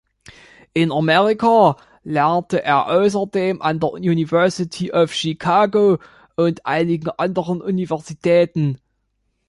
In Amerika lehrte er außerdem an der University of Chicago und einigen anderen Universitäten.